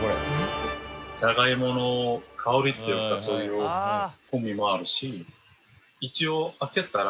ジャガイモの香りっていうかそういう風味もあるし。